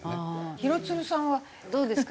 廣津留さんはどうですか？